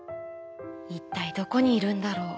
いったいどこにいるんだろう」。